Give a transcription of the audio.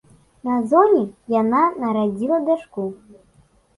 На зоне яна нарадзіла дачку.